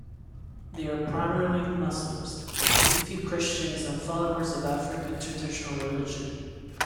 They are primarily Muslims, with a few Christians and followers of African Traditional Religion.